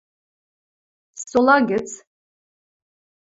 Сола гӹц?..